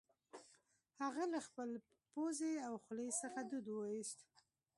هغه له خپلې پوزې او خولې څخه دود وایوست